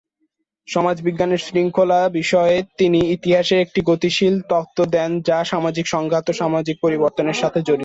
সমাজবিজ্ঞানের শৃঙ্খলা বিষয়ে তিনি ইতিহাসের একটি গতিশীল তত্ত্ব দেন যা সামাজিক সংঘাত ও সামাজিক পরিবর্তনের সাথে জড়িত।